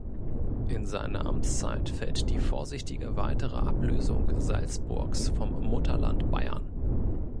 In seine Amtszeit fällt die vorsichtige weitere Ablösung Salzburgs vom Mutterland Bayern.